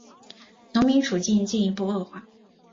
农民处境进一步恶化。